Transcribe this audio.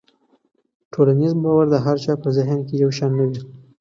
ټولنیز باور د هر چا په ذهن کې یو شان نه وي.